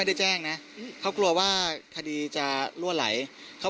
มันไม่ใช่แหละมันไม่ใช่แหละ